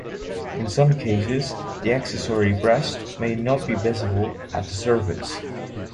In some cases, the accessory breast may not be visible at the surface.